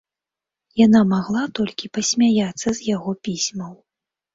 Яна магла толькі пасмяяцца з яго пісьмаў.